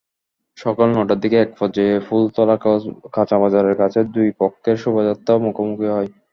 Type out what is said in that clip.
সকাল নয়টার দিকে একপর্যায়ে ফুলতলা কাঁচাবাজারের কাছে দুই পক্ষের শোভাযাত্রা মুখোমুখি হয়।